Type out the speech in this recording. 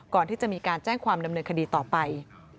ก่อนที่จะมีการแจ้งความดำเนินคดีต่อไป